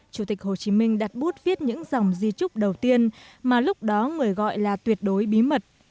chủ tịch hồ chí minh đặt bút viết những dòng di trúc đầu tiên mà lúc đó người gọi là tuyệt đối bí mật